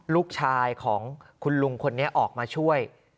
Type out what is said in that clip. ลูกชายของคุณลุงคนนี้ออกมาช่วย